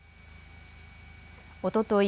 おととい